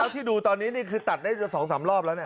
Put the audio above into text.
ที่ดูตอนนี้นี่คือตัดได้จะ๒๓รอบแล้วเนี่ย